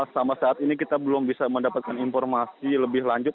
sampai saat ini kita belum bisa mendapatkan informasi lebih lanjut